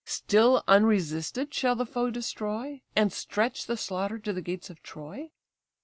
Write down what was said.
Still unresisted shall the foe destroy, And stretch the slaughter to the gates of Troy?